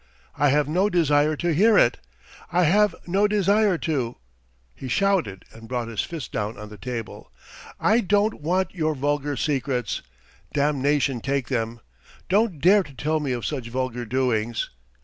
I have no desire to hear it! I have no desire to!" he shouted and brought his fist down on the table. "I don't want your vulgar secrets! Damnation take them! Don't dare to tell me of such vulgar doings!